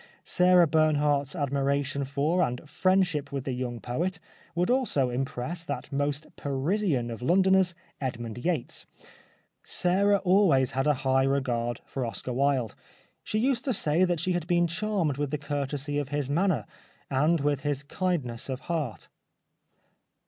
Sarah Bernhardt 's admiration for and friendship with the young poet would also impress that most Parisian of Londoners, Edmund Yates. Sarah always had a high regard for Oscar Wilde. She used to say that she had been charmed with the courtesy of his manner, and with his kindness of 180 The Life of Oscar Wilde heart.